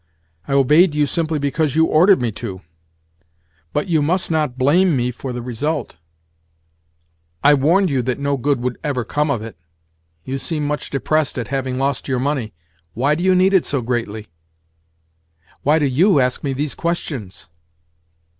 I obeyed you simply because you ordered me to; but you must not blame me for the result. I warned you that no good would ever come of it. You seem much depressed at having lost your money. Why do you need it so greatly?" "Why do you ask me these questions?"